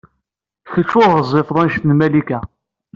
Kecc ur ɣezzifeḍ anect n Malika.